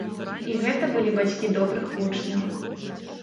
І гэта былі бацькі добрых вучняў.